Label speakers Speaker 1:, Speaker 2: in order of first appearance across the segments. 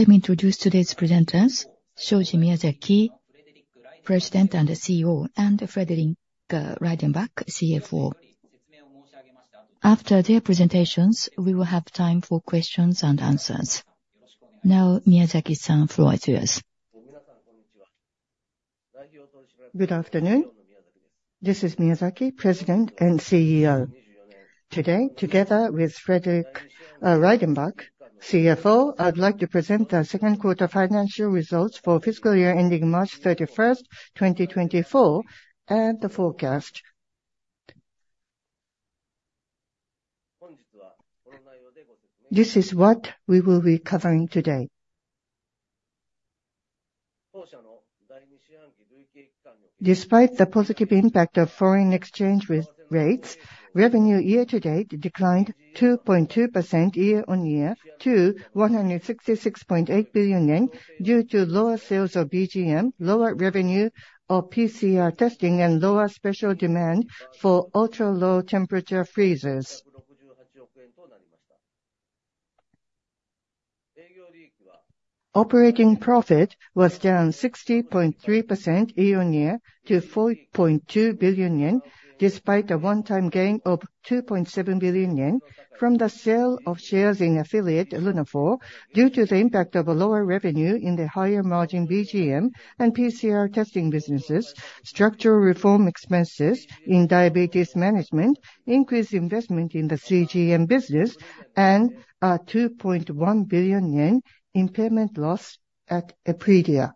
Speaker 1: Let me introduce today's presenters, Shoji Miyazaki, President and CEO, and Frederick Reidenbach, CFO. After their presentations, we will have time for questions and answers. Now, Miyazaki-san, floor is yours.
Speaker 2: Good afternoon. This is Miyazaki, President and CEO. Today, together with Frederick Reidenbach, CFO, I'd like to present our second quarter financial results for fiscal year ending March 31, 2024, and the forecast. This is what we will be covering today. Despite the positive impact of foreign exchange rates, revenue year to date declined 2.2% year-on-year to 166.8 billion yen, due to lower sales of BGM, lower revenue of PCR testing, and lower special demand for ultra-low temperature freezers. Operating profit was down 60.3% year-on-year to 4.2 billion yen, despite a one-time gain of 2.7 billion yen from the sale of shares in affiliate Lunaphore, due to the impact of a lower revenue in the higher margin BGM and PCR testing businesses, structural reform expenses Diabetes Management, increased investment in the CGM Business, and 2.1 billion yen impairment loss at Epredia.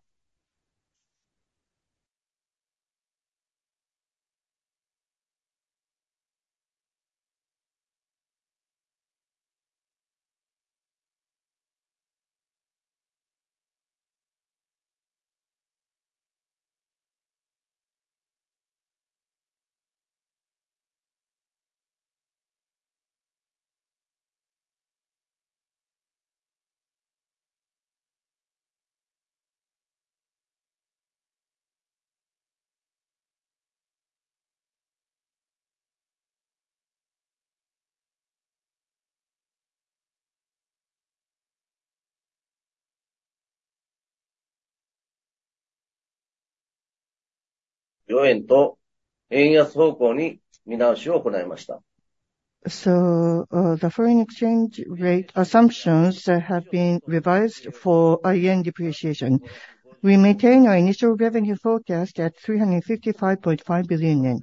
Speaker 2: So, the foreign exchange rate assumptions have been revised for our yen depreciation. We maintain our initial revenue forecast at 355.5 billion yen.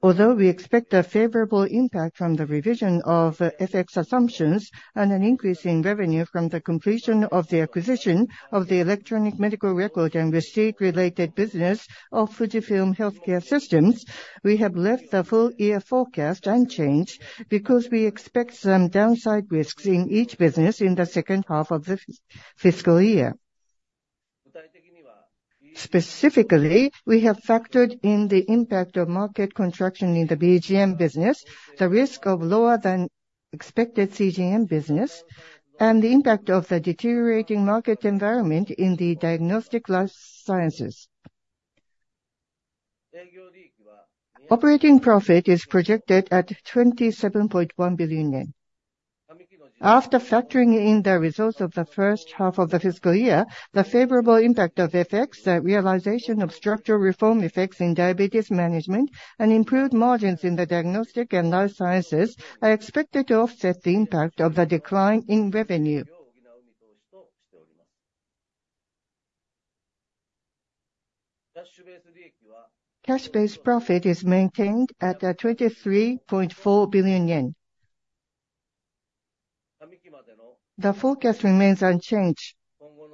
Speaker 2: Although we expect a favorable impact from the revision of FX assumptions and an increase in revenue from the completion of the acquisition of the electronic medical record and receipt-related business of Fujifilm Healthcare Systems, we have left the full year forecast unchanged, because we expect some downside risks in each business in the second half of the fiscal year. Specifically, we have factored in the impact of market contraction in the BGM business, the risk of lower than expected CGM business, and the impact of the deteriorating market environment in the diagnostic life sciences. Operating profit is projected at 27.1 billion yen. After factoring in the results of the first half of the fiscal year, the favorable impact of FX, the realization of structural reform FX Diabetes Management, and improved margins in the Diagnostic and Life Sciences, are expected to offset the impact of the decline in revenue. Cash-based profit is maintained at 23.4 billion yen. The forecast remains unchanged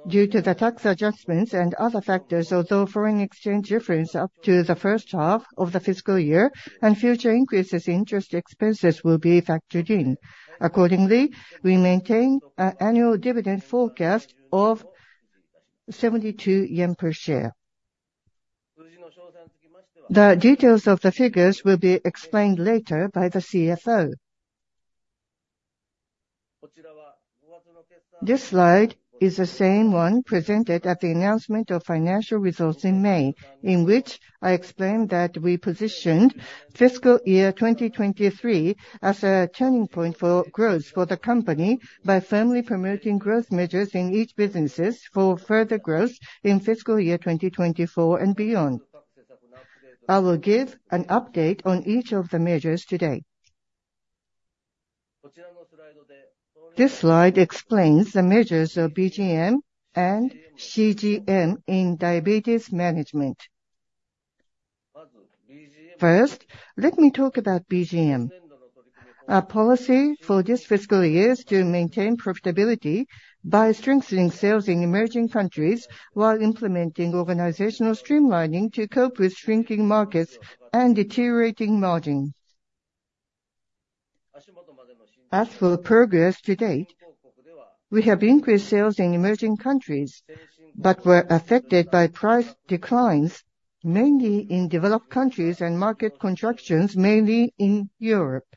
Speaker 2: due to the tax adjustments and other factors, although foreign exchange difference up to the first half of the fiscal year and future increases in interest expenses will be factored in. Accordingly, we maintain an annual dividend forecast of 72 yen per share. The details of the figures will be explained later by the CFO. This slide is the same one presented at the announcement of financial results in May, in which I explained that we positioned fiscal year 2023 as a turning point for growth for the company by firmly promoting growth measures in each businesses for further growth in fiscal year 2024 and beyond. I will give an update on each of the measures today. This slide explains the measures of BGM and CGM Diabetes Management. first, let me talk about BGM. Our policy for this fiscal year is to maintain profitability by strengthening sales in emerging countries, while implementing organizational streamlining to cope with shrinking markets and deteriorating margins. As for the progress to date, we have increased sales in emerging countries, but were affected by price declines, mainly in developed countries and market contractions, mainly in Europe.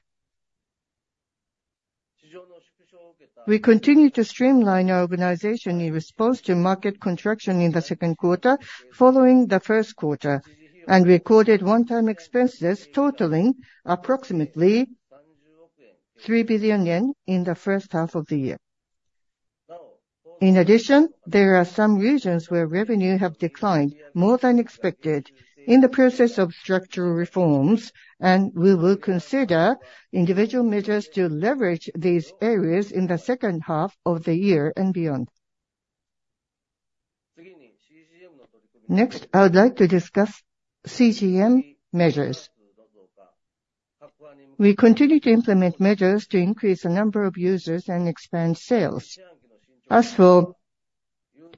Speaker 2: We continue to streamline our organization in response to market contraction in the second quarter, following the first quarter, and recorded one-time expenses totaling approximately 3 billion yen in the first half of the year. In addition, there are some regions where revenue have declined more than expected in the process of structural reforms, and we will consider individual measures to leverage these areas in the second half of the year and beyond. Next, I would like to discuss CGM measures. We continue to implement measures to increase the number of users and expand sales. As for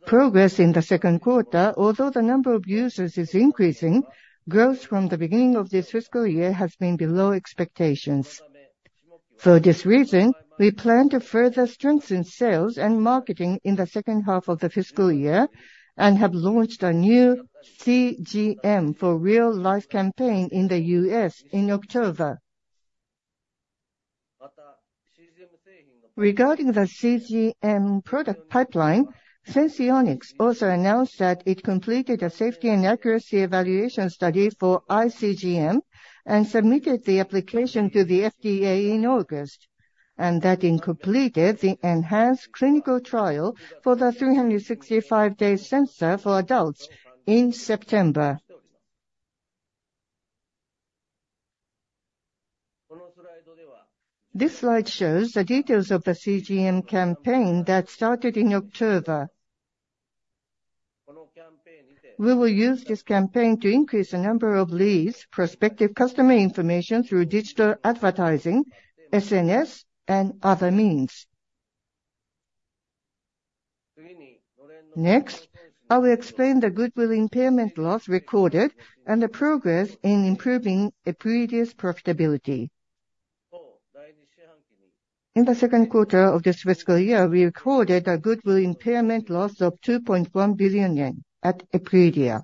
Speaker 2: progress in the second quarter, although the number of users is increasing, growth from the beginning of this fiscal year has been below expectations. For this reason, we plan to further strengthen sales and marketing in the second half of the fiscal year, and have launched a new CGM for real-life campaign in the U.S. in October. Regarding the CGM product pipeline, Senseonics also announced that it completed a safety and accuracy evaluation study for iCGM, and submitted the application to the FDA in August, and that it completed the enhanced clinical trial for the 365-day sensor for adults in September. This slide shows the details of the CGM campaign that started in October. We will use this campaign to increase the number of leads, prospective customer information through digital advertising, SNS, and other means. Next, I will explain the goodwill impairment loss recorded and the progress in improving Epredia's profitability. In the second quarter of this fiscal year, we recorded a goodwill impairment loss of 2.1 billion yen at Epredia.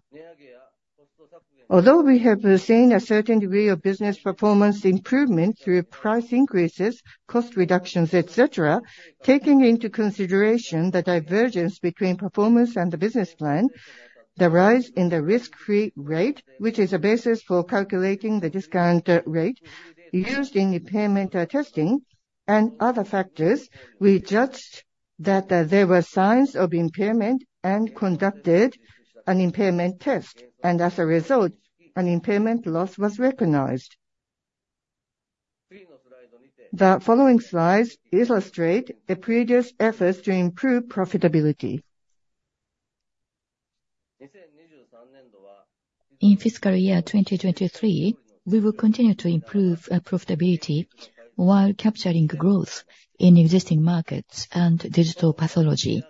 Speaker 2: Although we have been seeing a certain degree of business performance improvement through price increases, cost reductions, et cetera, taking into consideration the divergence between performance and the business plan, the rise in the risk-free rate, which is a basis for calculating the discount rate used in impairment testing and other factors, we judged that, there were signs of impairment and conducted an impairment test, and as a result, an impairment loss was recognized. The following slides illustrate Epredia's efforts to improve profitability. In fiscal year 2023, we will continue to improve our profitability while capturing growth in existing markets and digital pathology.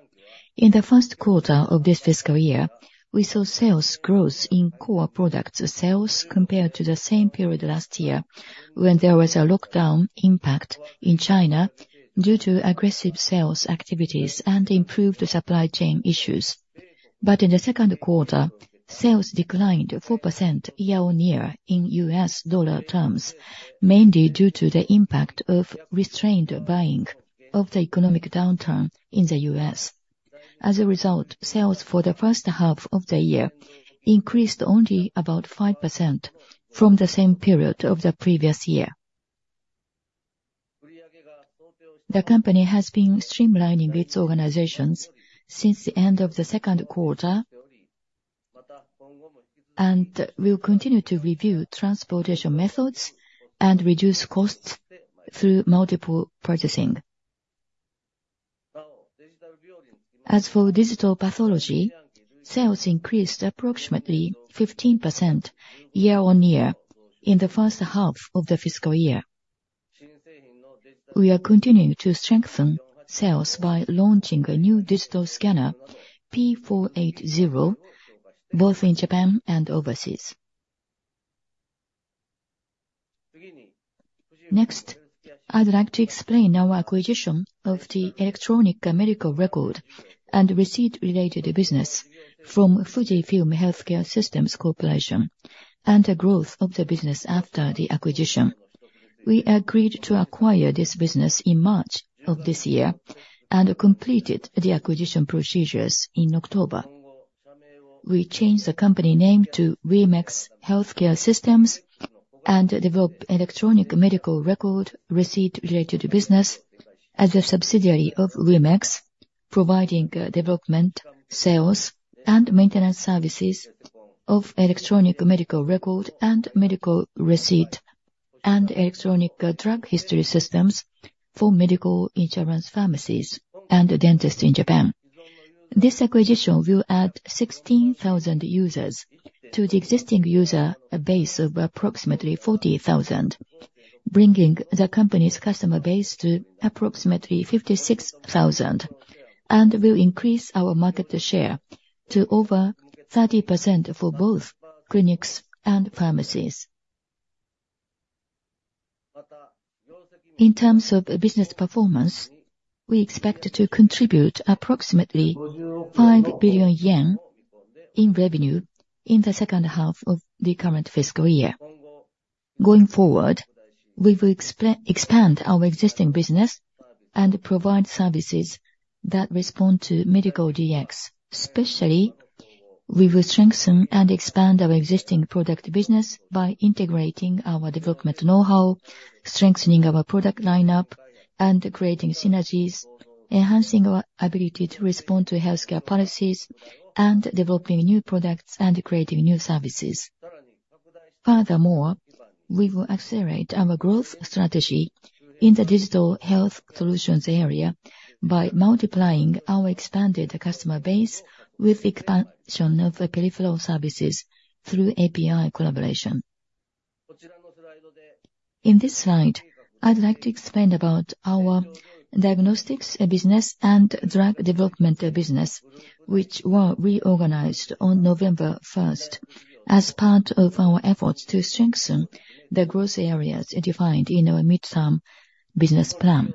Speaker 2: In the first quarter of this fiscal year, we saw sales growth in core products sales compared to the same period last year, when there was a lockdown impact in China due to aggressive sales activities and improved supply chain issues. But in the second quarter, sales declined 4% year-on-year in U.S. dollar terms, mainly due to the impact of restrained buying of the economic downturn in the U.S. As a result, sales for the first half of the year increased only about 5% from the same period of the previous year. The company has been streamlining its organizations since the end of the second quarter, and we'll continue to review transportation methods and reduce costs through multiple purchasing. As for Digital Pathology, sales increased approximately 15% year-on-year in the first half of the fiscal year. We are continuing to strengthen sales by launching a new digital scanner, P480, both in Japan and overseas. Next, I'd like to explain our acquisition of the electronic medical record and receipt-related business from Fujifilm Healthcare Systems Corporation, and the growth of the business after the acquisition. We agreed to acquire this business in March of this year, and completed the acquisition procedures in October. We changed the company name to Wemex Healthcare Systems, and developed electronic medical record, receipt-related business as a subsidiary of Wemex, providing development, sales, and maintenance services of electronic medical record and medical receipt, and electronic drug history systems for medical insurance pharmacies and dentists in Japan. This acquisition will add 16,000 users to the existing user base of approximately 40,000, bringing the company's customer base to approximately 56,000, and will increase our market share to over 30% for both clinics and pharmacies. In terms of business performance, we expect it to contribute approximately 5 billion yen in revenue in the second half of the current fiscal year. Going forward, we will expand our existing business and provide services that respond to medical DX. Especially, we will strengthen and expand our existing product business by integrating our development know-how, strengthening our product lineup, and creating synergies, enhancing our ability to respond to healthcare policies, and developing new products and creating new services. Furthermore, we will accelerate our growth strategy in the digital health solutions area by multiplying our expanded customer base with expansion of the peripheral services through API collaboration. In this slide, I'd like to explain about our Diagnostics Business and Drug Development Business, which were reorganized on November 1st, as part of our efforts to strengthen the growth areas defined in our midterm business plan.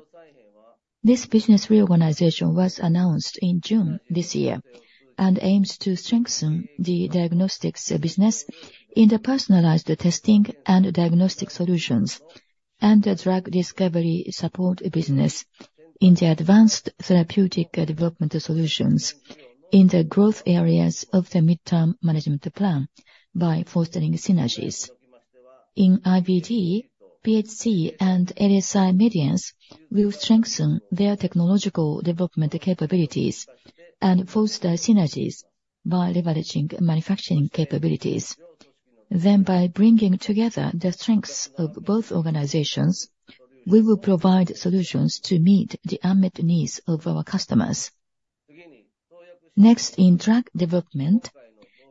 Speaker 2: This business reorganization was announced in June this year, and aims to strengthen the Diagnostics Business in the personalized testing and Diagnostic Solutions, and the Drug Discovery Support Business in the advanced therapeutic development solutions in the growth areas of the midterm management plan by fostering synergies. In IVD, PHC, and LSI Medience, we will strengthen their technological development capabilities and foster synergies by leveraging manufacturing capabilities. Then, by bringing together the strengths of both organizations, we will provide solutions to meet the unmet needs of our customers. Next, in Drug Development,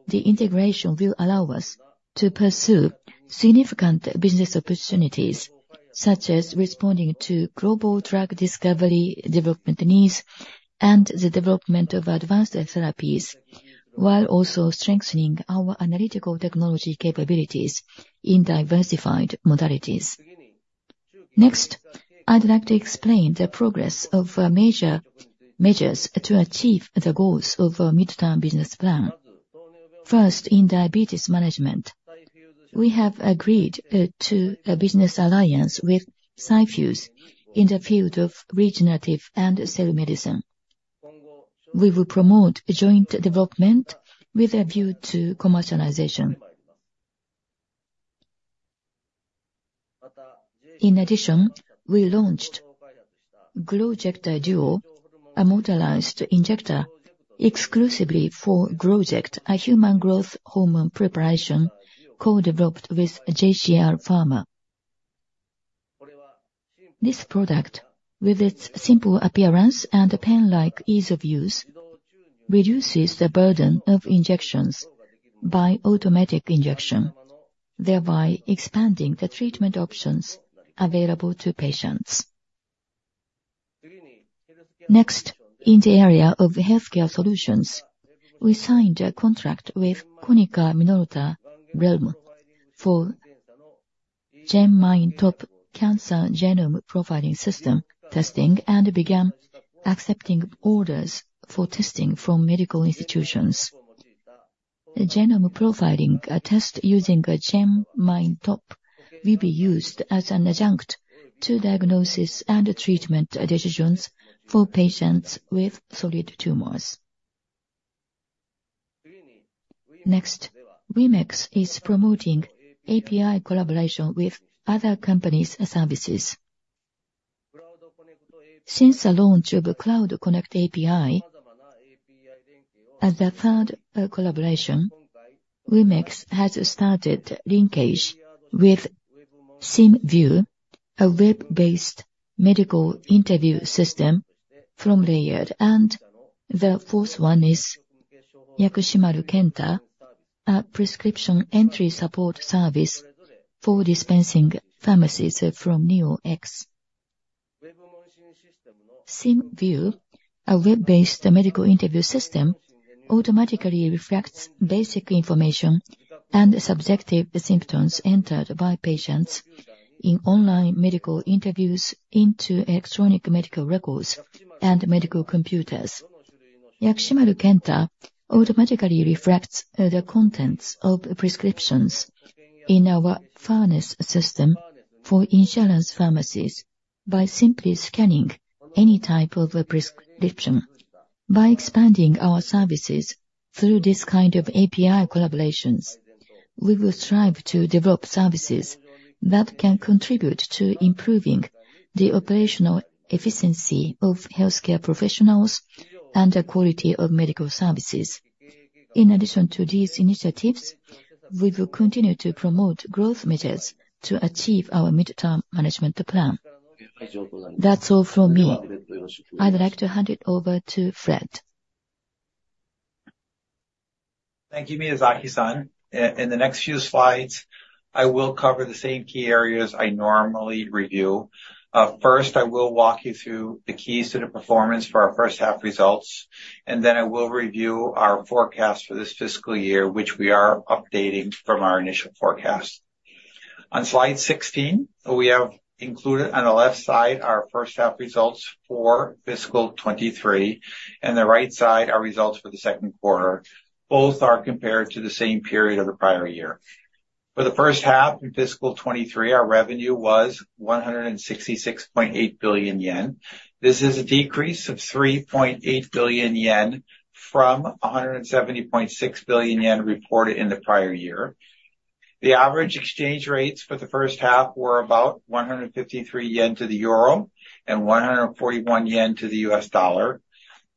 Speaker 2: the integration will allow us to pursue significant business opportunities, such as responding to global drug discovery development needs and the development of advanced therapies, while also strengthening our analytical technology capabilities in diversified modalities. Next, I'd like to explain the progress of major measures to achieve the goals of our midterm business plan. First, Diabetes Management, we have agreed to a business alliance with Cyfuse in the field of regenerative and cell medicine. We will promote a joint development with a view to commercialization. In addition, we launched GROWJECTOR Duo, a motorized injector exclusively for GROWJECT, a human growth hormone preparation co-developed with JCR Pharmaceuticals. This product, with its simple appearance and a pen-like ease of use, reduces the burden of injections by automatic injection, thereby expanding the treatment options available to patients. Next, in the area of healthcare solutions, we signed a contract with Konica Minolta REALM for GenMineTOP Cancer Genome Profiling System Testing, and began accepting orders for testing from medical institutions. Genome Profiling, a test using a GenMineTOP, will be used as an adjunct to diagnosis and treatment decisions for patients with solid tumors. Next, Wemex is promoting API collaboration with other companies' services. Since the launch of the Cloud Connect API, as the third collaboration, Wemex has started linkage with SymView, a web-based medical interview system from Layered, and the fourth one is Yakushimaru Kenta, a prescription entry support service for dispensing pharmacies from NeoX. SymView, a web-based medical interview system, automatically reflects basic information and subjective symptoms entered by patients in online medical interviews into electronic medical records and medical computers. Yakushimaru Kenta automatically reflects the contents of prescriptions in our pharmacy system for insurance pharmacies by simply scanning any type of a prescription. By expanding our services through this kind of API collaborations, we will strive to develop services that can contribute to improving the operational efficiency of healthcare professionals and the quality of medical services. In addition to these initiatives, we will continue to promote growth measures to achieve our midterm management plan. That's all from me. I'd like to hand it over to Fred.
Speaker 3: Thank you, Miyazaki-san. In the next few slides, I will cover the same key areas I normally review. First, I will walk you through the keys to the performance for our first half results, and then I will review our forecast for this fiscal year, which we are updating from our initial forecast. On slide 16, we have included on the left side, our first half results for fiscal 2023, and the right side, our results for the second quarter. Both are compared to the same period of the prior year. For the first half in fiscal 2023, our revenue was 166.8 billion yen. This is a decrease of 3.8 billion yen from 170.6 billion yen reported in the prior year. The average exchange rates for the first half were about 153 yen to the euro and 141 yen to the U.S. dollar.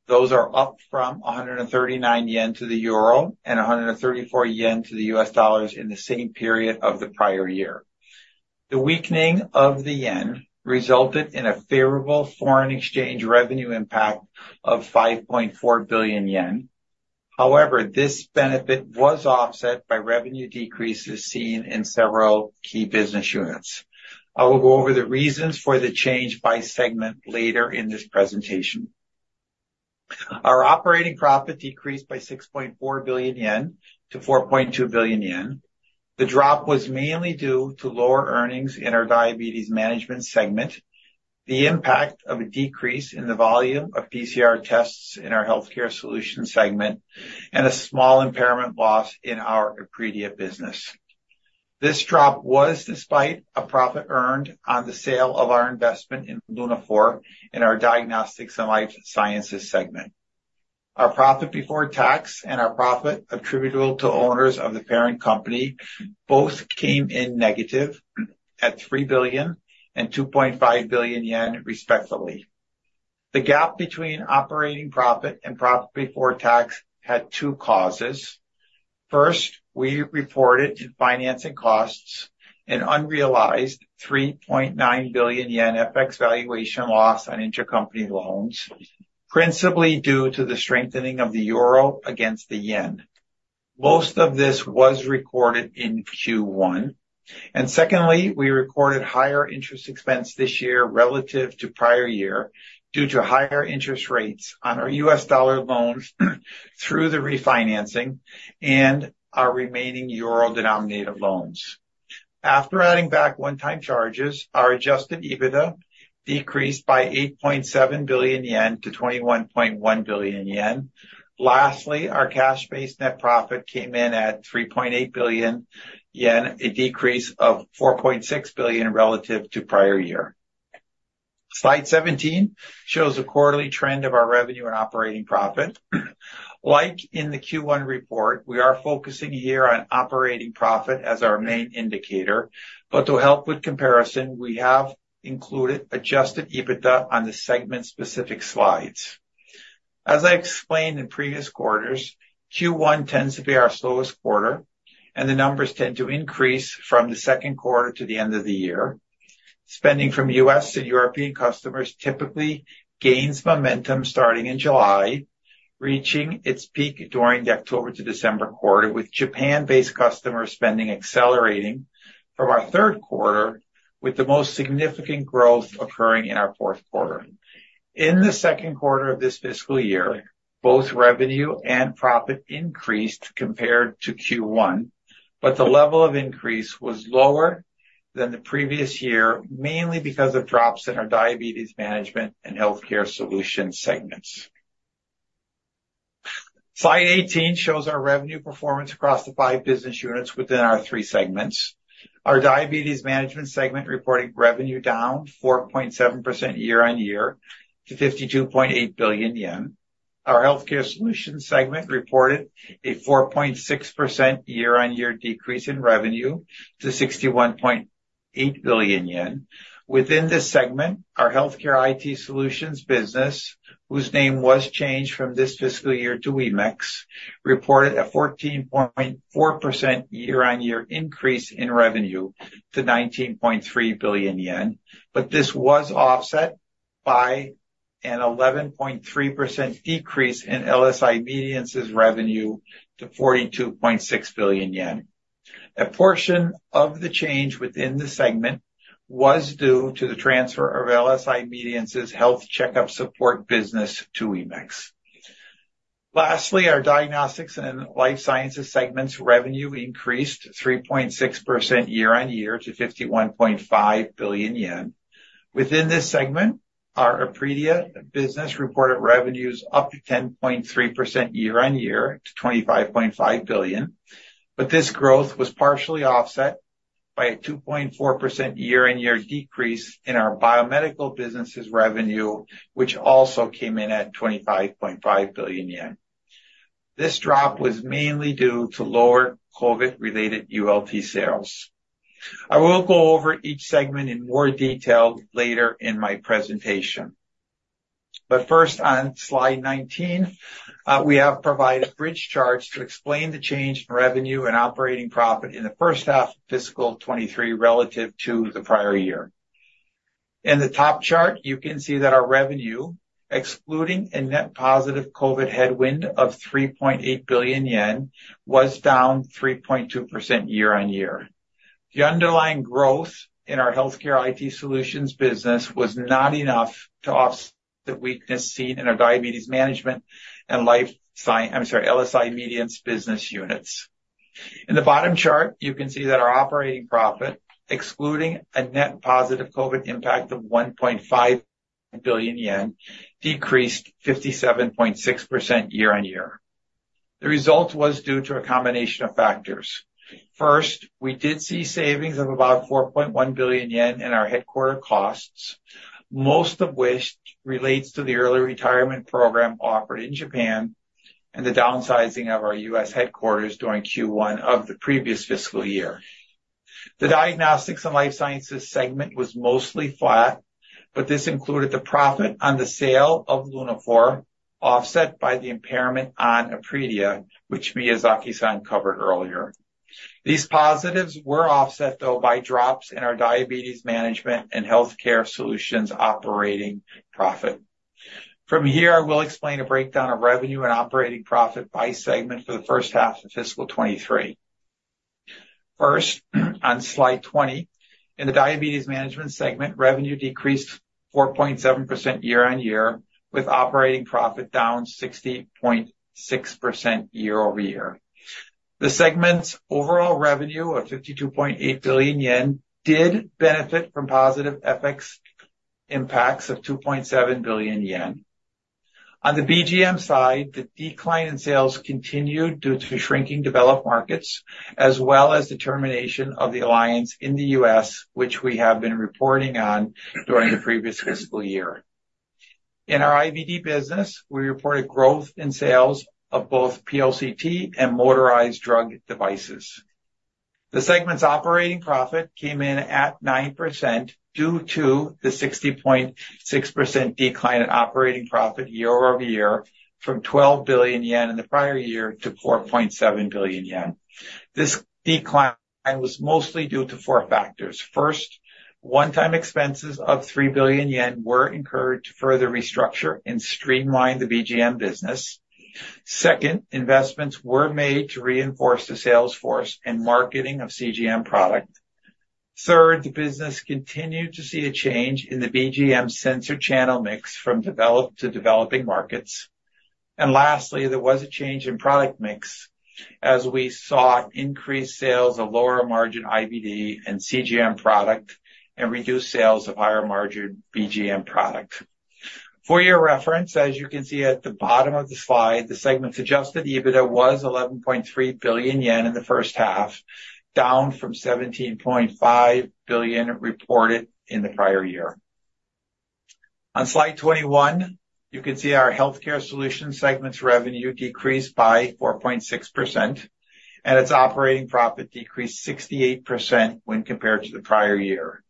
Speaker 3: Those are up from 139 yen to the euro and 134 yen to the U.S. dollars in the same period of the prior year. The weakening of the yen resulted in a favorable foreign exchange revenue impact of 5.4 billion yen. However, this benefit was offset by revenue decreases seen in several key business units. I will go over the reasons for the change by segment later in this presentation. Our operating profit decreased by 6.4 billion yen to 4.2 billion yen. The drop was mainly due to lower earnings in Diabetes Management segment, the impact of a decrease in the volume of PCR tests in our Healthcare Solution segment, and a small impairment loss in our Epredia Business. This drop was despite a profit earned on the sale of our investment in Lunaphore, in our Diagnostics and Life Sciences segment. Our profit before tax and our profit attributable to owners of the parent company both came in negative at 3 billion and 2.5 billion yen, respectively. The gap between operating profit and profit before tax had two causes. First, we reported financing costs, an unrealized 3.9 billion yen FX valuation loss on intercompany loans, principally due to the strengthening of the euro against the yen. Most of this was recorded in Q1. Secondly, we recorded higher interest expense this year relative to prior year, due to higher interest rates on our U.S. dollar loans through the refinancing and our remaining euro-denominated loans. After adding back one-time charges, our adjusted EBITDA decreased by 8.7 billion yen to 21.1 billion yen. Lastly, our cash-based net profit came in at 3.8 billion yen, a decrease of 4.6 billion relative to prior year. Slide 17 shows a quarterly trend of our revenue and operating profit. Like in the Q1 report, we are focusing here on operating profit as our main indicator, but to help with comparison, we have included adjusted EBITDA on the segment-specific slides. As I explained in previous quarters, Q1 tends to be our slowest quarter, and the numbers tend to increase from the second quarter to the end of the year. Spending from U.S. and European customers typically gains momentum starting in July, reaching its peak during the October to December quarter, with Japan-based customer spending accelerating from our third quarter, with the most significant growth occurring in our fourth quarter. In the second quarter of this fiscal year, both revenue and profit increased compared to Q1, but the level of increase was lower than the previous year, mainly because of drops in Diabetes Management and healthcare solution segments. Slide 18 shows our revenue performance across the five business units within our three segments. Diabetes Management segment reported revenue down 4.7% year-on-year to 52.8 billion yen. Our healthcare solutions segment reported a 4.6% year-on-year decrease in revenue to 61.8 billion yen. Within this segment, our Healthcare IT Solutions Business, whose name was changed from this fiscal year to Wemex, reported a 14.4% year-on-year increase in revenue to 19.3 billion yen, but this was offset by an 11.3% decrease in LSI Medience's revenue to 42.6 billion yen. A portion of the change within the segment was due to the transfer of LSI Medience's health checkup support business to Wemex. Lastly, our Diagnostics and Life Sciences segment's revenue increased 3.6% year-on-year to 51.5 billion yen. Within this segment, our Epredia business reported revenues up 10.3% year-on-year to 25.5 billion. But this growth was partially offset by a 2.4% year-over-year decrease in our biomedical business's revenue, which also came in at 25.5 billion yen. This drop was mainly due to lower COVID-related ULT sales. I will go over each segment in more detail later in my presentation. But first, on slide 19, we have provided bridge charts to explain the change in revenue and operating profit in the first half of fiscal 2023 relative to the prior year. In the top chart, you can see that our revenue, excluding a net positive COVID headwind of 3.8 billion yen, was down 3.2% year-over-year. The underlying growth in our healthcare IT solutions business was not enough to offset the weakness seen in Diabetes Management and life science, I'm sorry, LSI Medience Business units. In the bottom chart, you can see that our operating profit, excluding a net positive COVID impact of 1.5 billion yen, decreased 57.6% year-on-year. The result was due to a combination of factors. First, we did see savings of about 4.1 billion yen in our headquarters costs, most of which relates to the early retirement program offered in Japan and the downsizing of our U.S. headquarters during Q1 of the previous fiscal year. The Diagnostics and Life Sciences segment was mostly flat, but this included the profit on the sale of Lunaphore, offset by the impairment on Epredia, which Miyazaki-san covered earlier. These positives were offset, though, by drops in Diabetes Management and healthcare solutions operating profit. From here, I will explain a breakdown of revenue and operating profit by segment for the first half of fiscal 2023. First, on slide 20, in Diabetes Management segment, revenue decreased 4.7% year-on-year, with operating profit down 60.6% year-over-year. The segment's overall revenue of 52.8 billion yen did benefit from positive FX impacts of 2.7 billion yen. On the BGM side, the decline in sales continued due to shrinking developed markets as well as the termination of the alliance in the U.S., which we have been reporting on during the previous fiscal year. In our IVD business, we reported growth in sales of both POCT and motorized drug devices. The segment's operating profit came in at 9% due to the 60.6% decline in operating profit year-over-year, from 12 billion yen in the prior year to 4.7 billion yen. This decline was mostly due to four factors. First, one-time expenses of 3 billion yen were incurred to further restructure and streamline the BGM business. Second, investments were made to reinforce the sales force and marketing of CGM product. Third, the business continued to see a change in the BGM sensor channel mix from developed to developing markets. And lastly, there was a change in product mix as we saw increased sales of lower margin IVD and CGM product, and reduced sales of higher margin BGM product. For your reference, as you can see at the bottom of the slide, the segment's adjusted EBITDA was 11.3 billion yen in the first half, down from 17.5 billion reported in the prior year. On slide 21, you can see our healthcare solutions segment's revenue decreased by 4.6%, and its operating profit decreased 68% when compared to the prior year.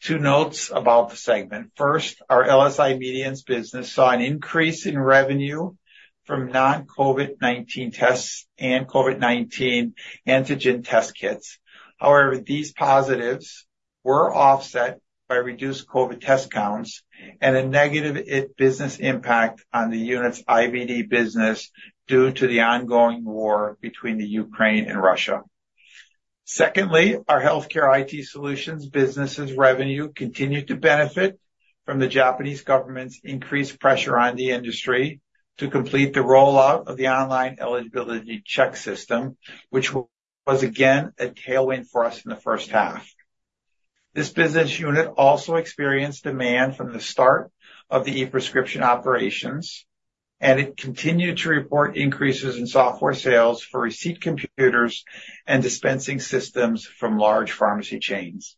Speaker 3: Two notes about the segment. First, our LSI Medience business saw an increase in revenue from non-COVID-19 tests and COVID-19 antigen test kits. However, these positives were offset by reduced COVID test counts and a negative IT business impact on the unit's IVD business due to the ongoing war between Ukraine and Russia. Secondly, our healthcare IT solutions business's revenue continued to benefit from the Japanese government's increased pressure on the industry to complete the rollout of the online eligibility check system, which was again a tailwind for us in the first half. This business unit also experienced demand from the start of the e-prescription operations, and it continued to report increases in software sales for receipt computers and dispensing systems from large pharmacy chains.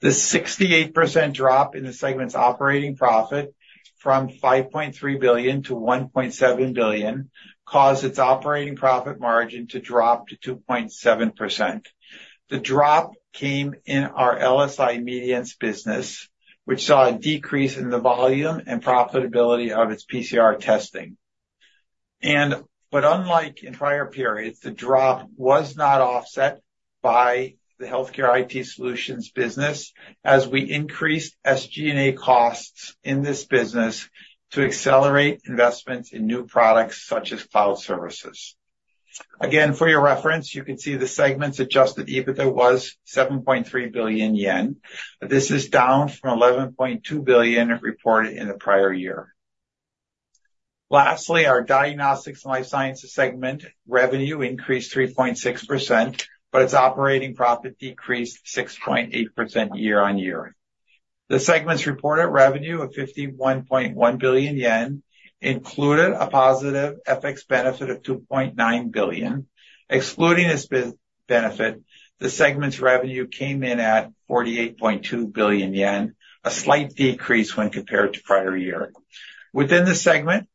Speaker 3: The 68% drop in the segment's operating profit from 5.3 billion to 1.7 billion caused its operating profit margin to drop to 2.7%. The drop came in our LSI Medience business, which saw a decrease in the volume and profitability of its PCR testing. And but unlike in prior periods, the drop was not offset by the healthcare IT solutions business as we increased SG&A costs in this business to accelerate investments in new products such as cloud services. Again, for your reference, you can see the segment's adjusted EBITDA was 7.3 billion yen. This is down from 11.2 billion reported in the prior year. Lastly, our Diagnostics and Life Sciences segment revenue increased 3.6%, but its operating profit decreased 6.8% year-on-year. The segment's reported revenue of 51.1 billion yen included a positive FX benefit of 2.9 billion. Excluding this benefit, the segment's revenue came in at 48.2 billion yen, a slight decrease when compared to prior year. Within the segment,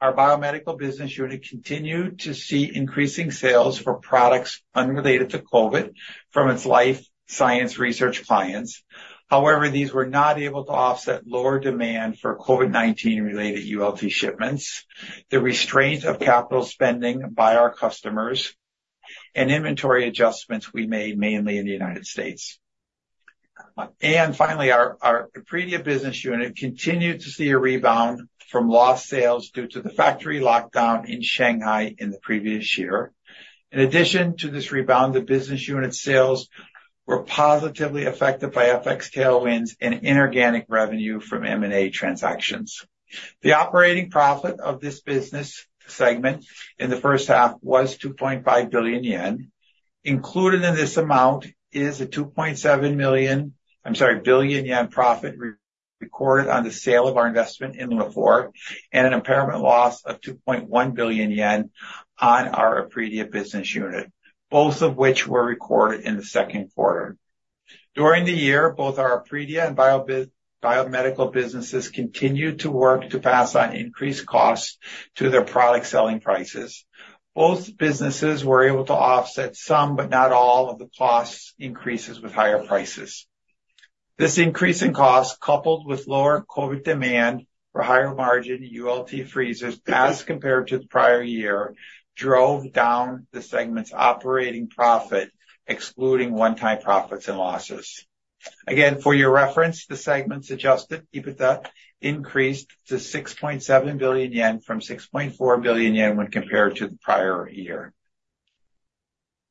Speaker 3: our biomedical business unit continued to see increasing sales for products unrelated to COVID from its life science research clients. However, these were not able to offset lower demand for COVID-19 related ULT shipments, the restraint of capital spending by our customers, and inventory adjustments we made mainly in the United States. Finally, our Epredia business unit continued to see a rebound from lost sales due to the factory lockdown in Shanghai in the previous year. In addition to this rebound, the business unit sales were positively affected by FX tailwinds and inorganic revenue from M&A transactions. The operating profit of this business segment in the first half was 2.5 billion yen. Included in this amount is a 2.7 billion yen profit recorded on the sale of our investment in Lunaphore, and an impairment loss of 2.1 billion yen on our Epredia business unit, both of which were recorded in the second quarter. During the year, both our Epredia and Biomedical Businesses continued to work to pass on increased costs to their product selling prices. Both businesses were able to offset some, but not all, of the cost increases with higher prices. This increase in cost, coupled with lower COVID demand for higher margin ULT freezers as compared to the prior year, drove down the segment's operating profit, excluding one-time profits and losses. Again, for your reference, the segment's adjusted EBITDA increased to 6.7 billion yen from 6.4 billion yen when compared to the prior year.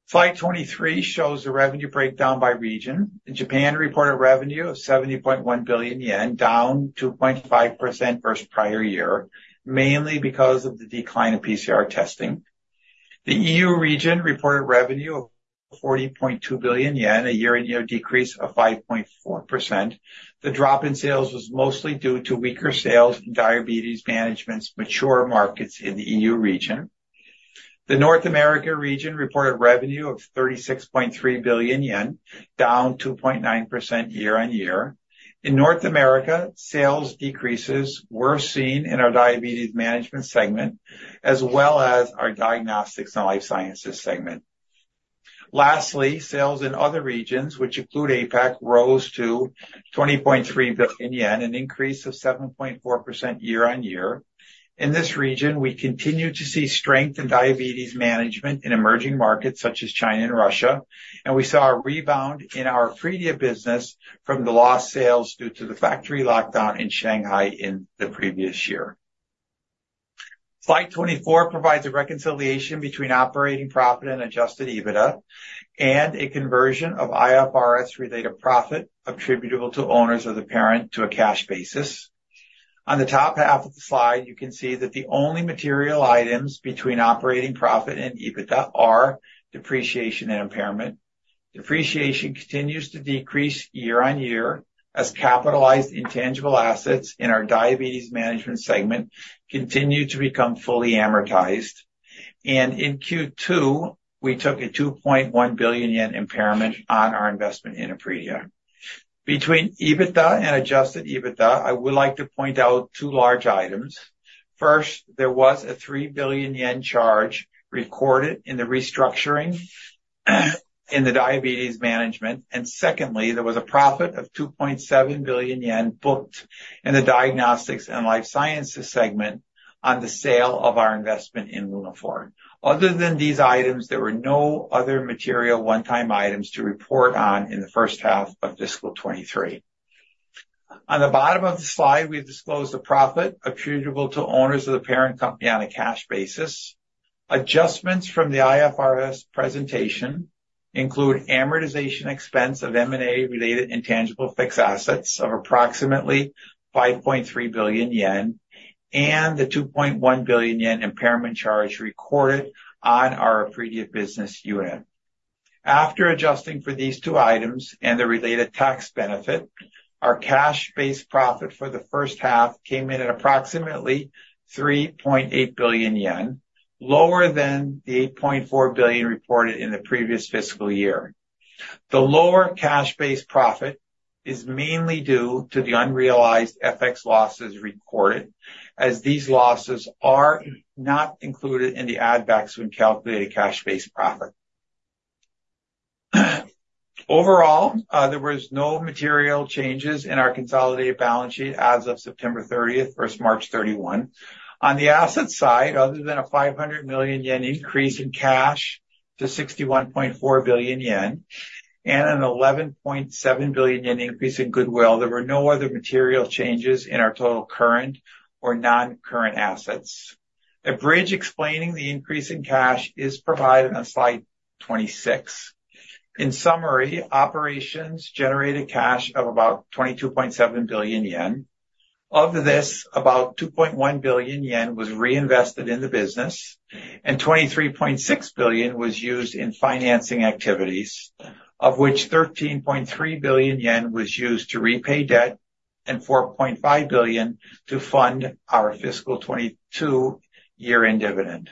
Speaker 3: Slide 23 shows the revenue breakdown by region. In Japan, reported revenue of 70.1 billion yen, down 2.5% versus prior year, mainly because of the decline in PCR testing. The EU region reported revenue of 40.2 billion yen, a year-on-year decrease of 5.4%. The drop in sales was mostly due to weaker sales Diabetes Management's mature markets in the EU region. The North America region reported revenue of 36.3 billion yen, down 2.9% year-on-year. In North America, sales decreases were seen in Diabetes Management segment, as well as our Diagnostics and Life Sciences segment. Lastly, sales in other regions, which include APAC, rose to 20.3 billion yen, an increase of 7.4% year-on-year. In this region, we continued to see strength Diabetes Management in emerging markets such as China and Russia, and we saw a rebound in our Epredia business from the lost sales due to the factory lockdown in Shanghai in the previous year. Slide 24 provides a reconciliation between operating profit and adjusted EBITDA, and a conversion of IFRS-related profit attributable to owners of the parent to a cash basis. On the top half of the slide, you can see that the only material items between operating profit and EBITDA are depreciation and impairment. Depreciation continues to decrease year-on-year as capitalized intangible assets in Diabetes Management segment continue to become fully amortized. In Q2, we took a 2.1 billion yen impairment on our investment in Epredia. Between EBITDA and adjusted EBITDA, I would like to point out two large items. First, there was a 3 billion yen charge recorded in the restructuring, in Diabetes Management. secondly, there was a profit of 2.7 billion yen booked in the Diagnostics and Life Sciences segment on the sale of our investment in Lunaphore. Other than these items, there were no other material one-time items to report on in the first half of fiscal 2023. On the bottom of the slide, we've disclosed the profit attributable to owners of the parent company on a cash basis. Adjustments from the IFRS presentation include amortization expense of M&A-related intangible fixed assets of approximately 5.3 billion yen, and the 2.1 billion yen impairment charge recorded on our Epredia business unit. After adjusting for these two items and the related tax benefit, our cash-based profit for the first half came in at approximately 3.8 billion yen, lower than the 8.4 billion reported in the previous fiscal year. The lower cash-based profit is mainly due to the unrealized FX losses recorded, as these losses are not included in the add backs when calculating cash-based profit. Overall, there was no material changes in our consolidated balance sheet as of September 30 versus March 31. On the asset side, other than a 500 million yen increase in cash to 61.4 billion yen, and a 11.7 billion yen increase in goodwill, there were no other material changes in our total current or non-current assets. A bridge explaining the increase in cash is provided on slide 26. In summary, operations generated cash of about 22.7 billion yen. Of this, about 2.1 billion yen was reinvested in the business, and 23.6 billion was used in financing activities, of which 13.3 billion yen was used to repay debt and 4.5 billion to fund our fiscal 2022 year-end dividend.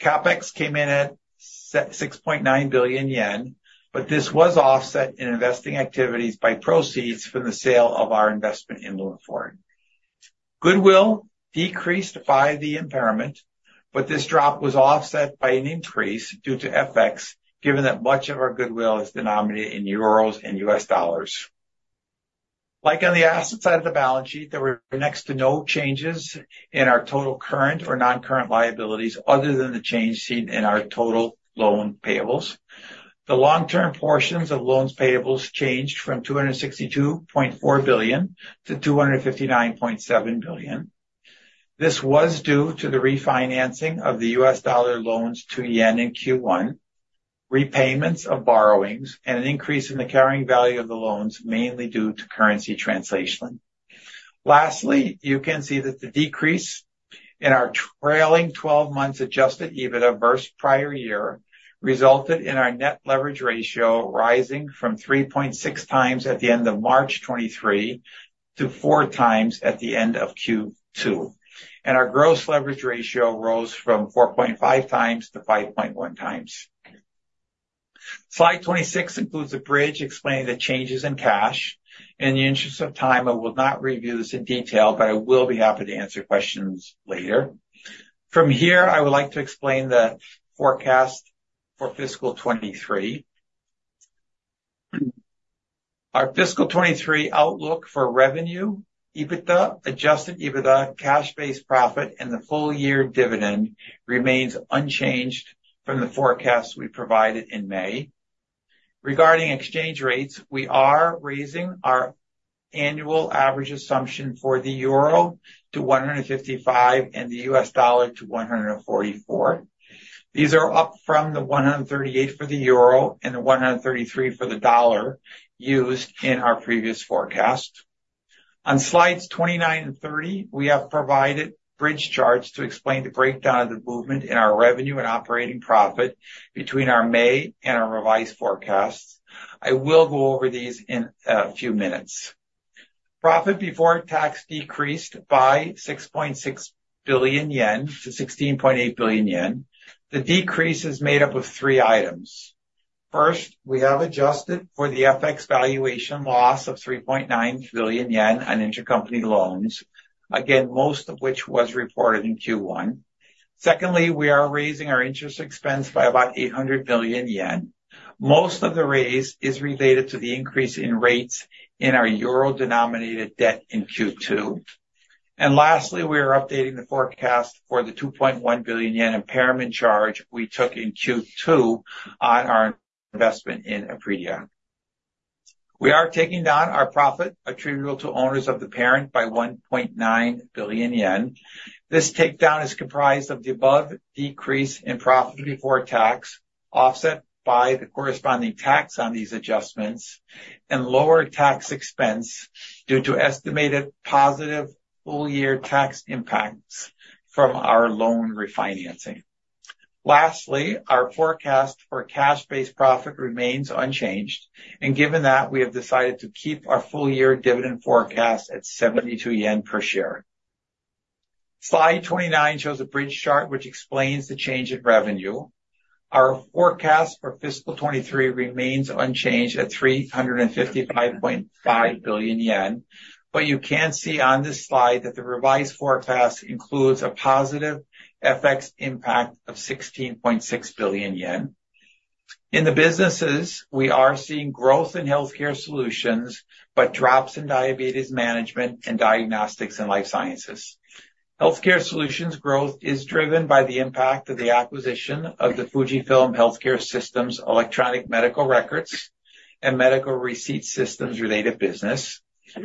Speaker 3: CapEx came in at 6.9 billion yen, but this was offset in investing activities by proceeds from the sale of our investment in Lunaphore. Goodwill decreased by the impairment, but this drop was offset by an increase due to FX, given that much of our goodwill is denominated in euros and US dollars. Like on the asset side of the balance sheet, there were next to no changes in our total current or non-current liabilities other than the change seen in our total loan payables. The long-term portions of loans payables changed from 262.4 billion to 259.7 billion. This was due to the refinancing of the U.S. dollar loans to yen in Q1, repayments of borrowings, and an increase in the carrying value of the loans, mainly due to currency translation. Lastly, you can see that the decrease in our trailing 12 months adjusted EBITDA versus prior year resulted in our net leverage ratio rising from 3.6x at the end of March 2023, to 4x at the end of Q2. Our gross leverage ratio rose from 4.5x to 5.1x. Slide 26 includes a bridge explaining the changes in cash. In the interest of time, I will not review this in detail, but I will be happy to answer questions later. From here, I would like to explain the forecast for fiscal 2023. Our fiscal 2023 outlook for revenue, EBITDA, adjusted EBITDA, cash-based profit, and the full-year dividend remains unchanged from the forecast we provided in May. Regarding exchange rates, we are raising our annual average assumption for the euro to 155, and the U.S. dollar to 144. These are up from the 138 for the euro and the 133 for the dollar used in our previous forecast. On slides 29 and 30, we have provided bridge charts to explain the breakdown of the movement in our revenue and operating profit between our May and our revised forecasts. I will go over these in a few minutes. Profit before tax decreased by 6.6 billion yen to 16.8 billion yen. The decrease is made up of three items. First, we have adjusted for the FX valuation loss of 3.9 billion yen on intercompany loans, again, most of which was reported in Q1. Secondly, we are raising our interest expense by about 800 million yen. Most of the raise is related to the increase in rates in our euro-denominated debt in Q2. Lastly, we are updating the forecast for the 2.1 billion yen impairment charge we took in Q2 on our investment in Epredia. We are taking down our profit attributable to owners of the parent by 1.9 billion yen. This takedown is comprised of the above decrease in profit before tax, offset by the corresponding tax on these adjustments and lower tax expense due to estimated positive full-year tax impacts from our loan refinancing. Lastly, our forecast for cash-based profit remains unchanged, and given that, we have decided to keep our full-year dividend forecast at 72 yen per share. Slide 29 shows a bridge chart which explains the change in revenue. Our forecast for fiscal 2023 remains unchanged at 355.5 billion yen, but you can see on this slide that the revised forecast includes a positive FX impact of 16.6 billion yen. In the businesses, we are seeing growth in healthcare solutions, but drops Diabetes Management and Diagnostics and Life Sciences. Healthcare Solutions growth is driven by the impact of the acquisition of the Fujifilm Healthcare Systems, electronic medical records and medical receipt systems-related business.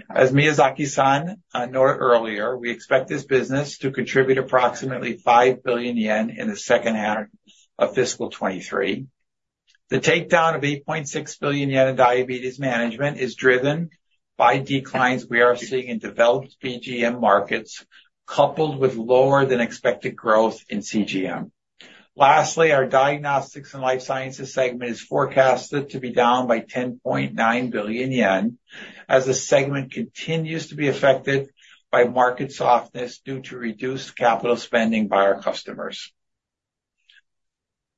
Speaker 3: As Miyazaki-san noted earlier, we expect this business to contribute approximately 5 billion yen in the second half of fiscal 2023. The takedown of 8.6 billion yen Diabetes Management is driven by declines we are seeing in developed BGM markets, coupled with lower than expected growth in CGM. Lastly, our Diagnostics and Life Sciences segment is forecasted to be down by 10.9 billion yen, as the segment continues to be affected by market softness due to reduced capital spending by our customers.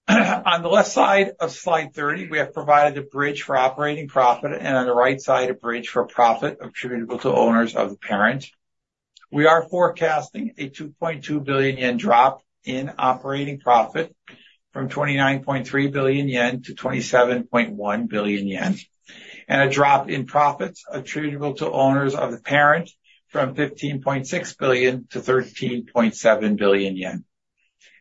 Speaker 3: On the left side of slide 30, we have provided a bridge for operating profit, and on the right side, a bridge for profit attributable to owners of the parent. We are forecasting a 2.2 billion yen drop in operating profit from 29.3 billion yen to 27.1 billion yen, and a drop in profits attributable to owners of the parent from 15.6 billion to 13.7 billion yen.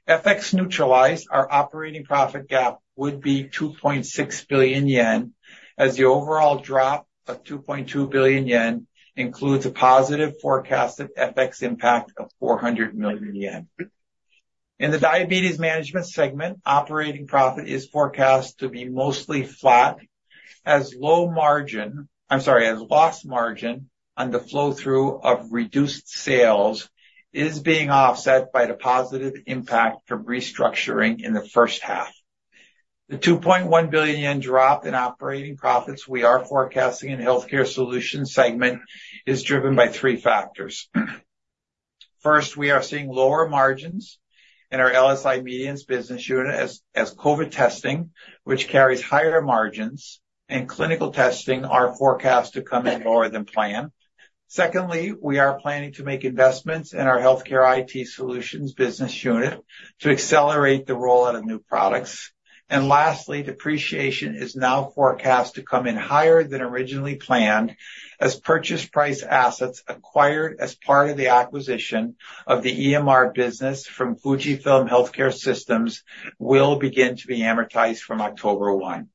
Speaker 3: FX neutralized, our operating profit gap would be 2.6 billion yen, as the overall drop of 2.2 billion yen includes a positive forecasted FX impact of 400 million yen. In Diabetes Management segment, operating profit is forecast to be mostly flat, as low margin, I'm sorry, as loss margin on the flow-through of reduced sales is being offset by the positive impact from restructuring in the first half. The 2.1 billion yen drop in operating profits we are forecasting in the healthcare solutions segment is driven by three factors. First, we are seeing lower margins in our LSI Medience Business Unit as COVID testing, which carries higher margins and clinical testing, are forecast to come in lower than planned. Secondly, we are planning to make investments in our Healthcare IT Solutions Business Unit to accelerate the rollout of new products. Lastly, depreciation is now forecast to come in higher than originally planned, as purchase price assets acquired as part of the acquisition of the EMR business from Fujifilm Healthcare Systems will begin to be amortized from October 1.